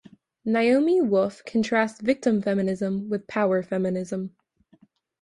Naomi Wolf contrasts victim feminism with "power feminism".